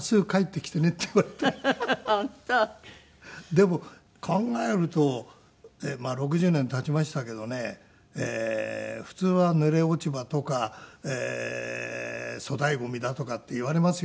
でも考えるとまあ６０年経ちましたけどね普通は濡れ落ち葉とか粗大ゴミだとかって言われますよね